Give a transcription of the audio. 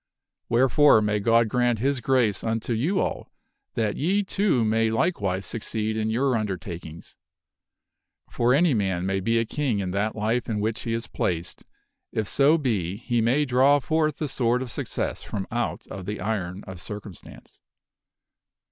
Wherefore, may God grant His Grace unto you all that ye too may likewise succeed in your undertakings. For any man may be a king in that life in which he is placed if so be he may draw forth the sword of success from out of the iron of circumstance.